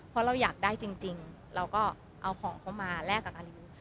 เพราะเราอยากได้จริงเราก็เอาของเขามาแลกกับการิว